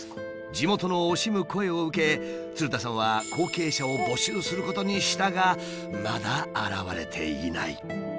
地元の惜しむ声を受け鶴田さんは後継者を募集することにしたがまだ現れていない。